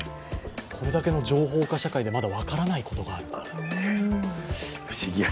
これだけの情報化社会でまだ分からないことがある。